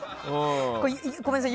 ごめんなさい。